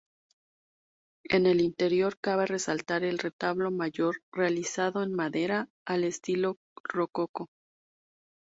En el interior cabe resaltar el retablo mayor, realizado en madera al estilo rococó.